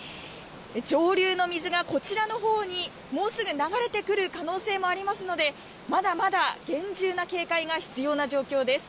上流の水が、こちらのほうにもうすぐ流れてくる可能性もありますのでまだまだ厳重な警戒が必要な状況です。